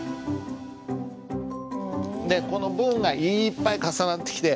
でこの文がいっぱい重なってきて。